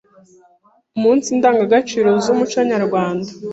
umunsi ndangagaciro z’umuco nyarwanda,